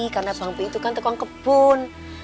karena bang pi itu kan tekong kebun